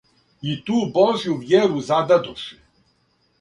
И ту Божју вјеру зададоше